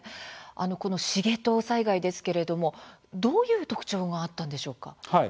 この繁藤災害ですけれども、どういう特徴があったのでしょうか。